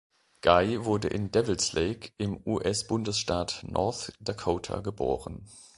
Guy wurde in Devils Lake im US-Bundesstaat North Dakota geboren.